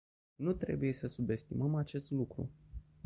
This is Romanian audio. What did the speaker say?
Nu trebuie să subestimăm acest lucru.